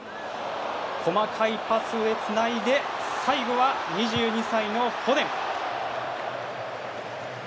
細かいパスでつないで最後は２２歳のフォデン。